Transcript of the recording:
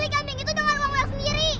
beli kambing itu dengan orang orang sendiri